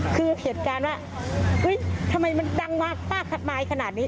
คือเหตุการณ์ว่าเฮ้ยทำไมมันดังมากป้าขัดมายขนาดนี้